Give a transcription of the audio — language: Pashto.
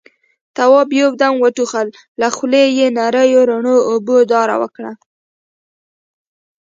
تواب يو دم وټوخل، له خولې يې نريو رڼو اوبو داره وکړه.